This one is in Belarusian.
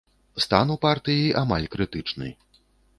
Стан у партыі амаль крытычны.